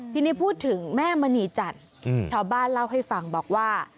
ทีนี้พูดถึงแม่มณีจันทร์ชาวบ้านเล่าให้ฟังบอกว่า